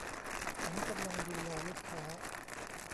ฉันกำลังดูแลลูกค้า